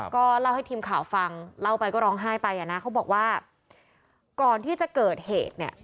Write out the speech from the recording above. ก็เล่าชนิดถึงทีมขาวฟังเค้าบอกว่าก่อนที่จะเกิดเหตุเนี่ย